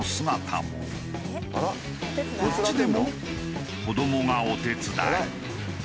こっちでも子どもがお手伝い。